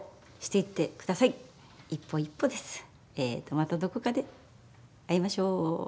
またどこかで会いましょう。